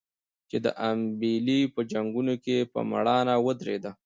چې د امبېلې په جنګونو کې په مړانه ودرېد.